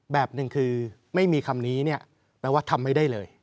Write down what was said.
แบบหนึ่งคือไม่มีคำนี้เนี่ยแปลว่าทำไม่ได้เลย